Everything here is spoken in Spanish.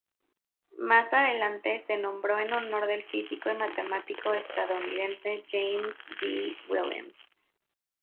Más adelante se nombró en honor del físico y matemático estadounidense James G. Williams.